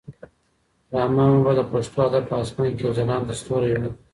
رحمان بابا د پښتو ادب په اسمان کې یو ځلانده ستوری و.